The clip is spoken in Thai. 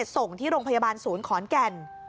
ส่งที่โรงพยาบาลศูนย์ขอนแก่น